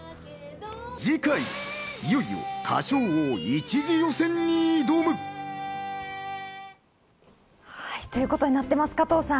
次回、いよいよ『歌唱王』一次予選に挑む！ということになっています、加藤さん。